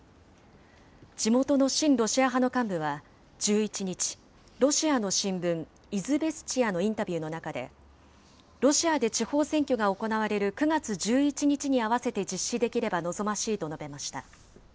地元の親ロシア派の幹部は１１日、ロシアの新聞、イズベスチヤのインタビューの中で、ロシアで地方選挙が行われる９月１１日に合わせて実施できれば望ましいと述べました。